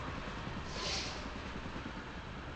انتقام کے خمیر میںخیر نہیں ہے۔